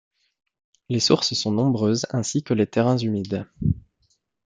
Les sources sont nombreuses, ainsi que les terrains humides.